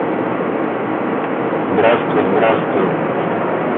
Здравствуй, здравствуй.